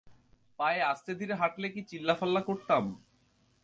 পায়ে আস্তেধীরে হাটলে কী চিল্লাফাল্লা করতাম?